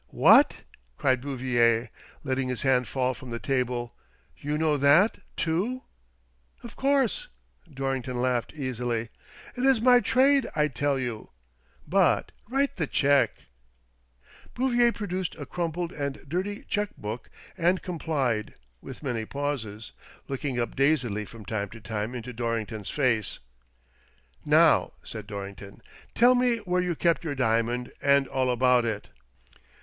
"What !" cried Bouvier, letting his hand fall from the table, " you know that too ?" "Of course," Dorrington laughed, easily; "it is my trade, I tell you. But write the cheque." Bouvier produced a crumpled and dirty cheque book and complied, with many pauses, looking up dazedly from time to time into Dorrington's face. "Now," said Dorrington, "tell me where you kept your diamond, and all about it."